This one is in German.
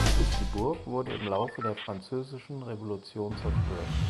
Die Burg wurde im Laufe der Französischen Revolution zerstört.